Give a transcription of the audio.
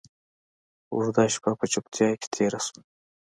اوږده شېبه په چوپتيا کښې تېره سوه.